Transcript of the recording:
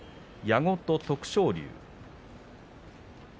矢後と徳勝龍。